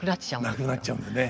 なくなっちゃうんでね。